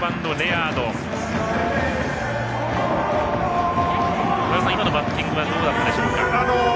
和田さん、今のバッティングはどうだったでしょうか。